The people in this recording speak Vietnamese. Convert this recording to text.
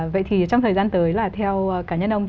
vậy thì trong thời gian tới là theo cá nhân ông